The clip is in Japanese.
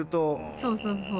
そうそうそう。